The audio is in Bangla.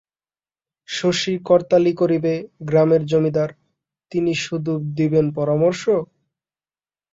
শশী কর্তালি করিবে, গ্রামের জমিদার, তিনি শুধু দিবেন পরামর্শ?